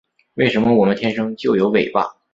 为什么我们天生就有尾巴